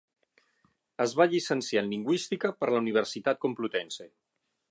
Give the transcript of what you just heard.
Es va llicenciar en Lingüística per la Universitat Complutense.